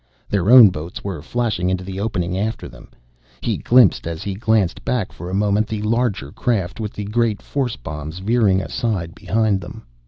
Their own boats were flashing into the opening after them. He glimpsed as he glanced back for a moment the larger craft with the great force bombs veering aside behind them.